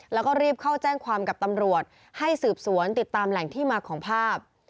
แล้วก็รีบเข้าแจ้งความกับตำรวจให้สืบสวนติดตามแหล่งที่มาของภาพ